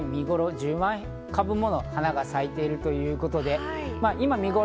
１０万株もの花が咲いているということで今見ごろ。